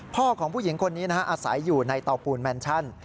ของผู้หญิงคนนี้อาศัยอยู่ในเตาปูนแมนชั่น